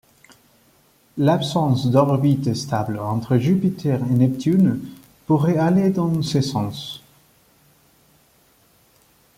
L’absence d’orbite stable entre Jupiter et Neptune pourrait aller dans ce sens.